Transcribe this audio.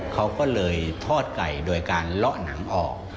เขาก็เลยทอดไก่โดยการเลาะหนังออก